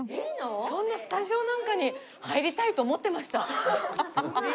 そんなスタジオなんかに入りたいと思ってました。